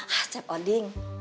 hah cepo ding